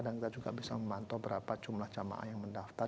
dan kita juga bisa memantau berapa jumlah jamaah yang mendaftar